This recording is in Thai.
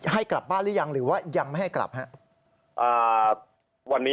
ให้กลับบ้านหรือยังหรือว่ายังไม่ให้กลับครับ